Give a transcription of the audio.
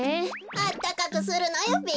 あったかくするのよべ。